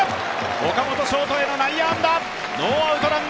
岡本ショートへの内野安打。